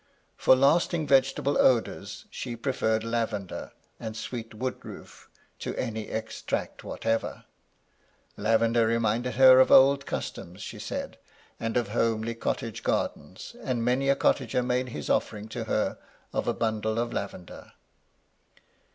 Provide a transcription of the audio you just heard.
For lasting vegetable odours she preferred lavender and sweet* MY LADY LUDLOW. 73 woodroof to any extract whatever. Lavender reminded her of old customs, she said, and of homely cottage gardens, and many a cottager made his offering to her of a bundle of lavender.